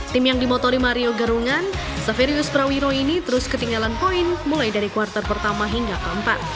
tim yang dimotori mario garungan severius prawiro ini terus ketinggalan poin mulai dari kuartal pertama hingga keempat